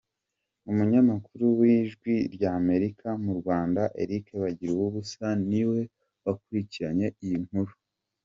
Umunyamakuru w’Ijwi ry’Amerika mu Rwanda Eric Bagiruwubusa ni we wakurikiranye iyi nkuru